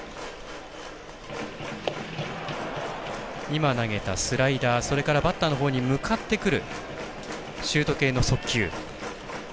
今投げたスライダーそれから、バッターのほうに向かってくるシュート系の速球。